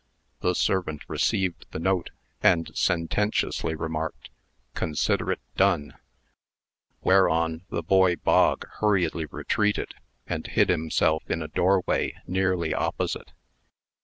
The servant received the note, and sententiously remarked, "Consider it done;" whereon the boy Bog hurriedly retreated, and hid himself in a doorway nearly opposite.